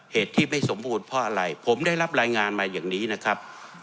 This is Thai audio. เหตุที่ไม่สมบูรณ์เพราะอะไรผมได้รับรายงานมาอย่างนี้นะครับ